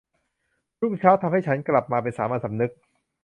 รุ่งเช้าทำให้ฉันกลับเป็นสามัญสำนึก